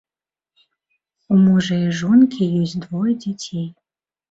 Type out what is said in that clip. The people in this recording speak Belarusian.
У мужа і жонкі ёсць двое дзяцей.